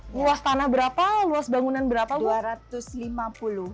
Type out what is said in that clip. luas tanah berapa luas bangunan berapa bu